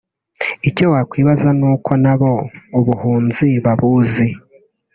Icyo wakwibaza nuko nabo ubuhunzi babuzi